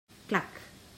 Clac!